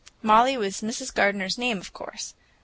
Molly was Mrs. Gardener's name, of course.